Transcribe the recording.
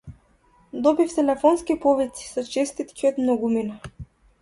Добив телефонски повици со честитки од многумина.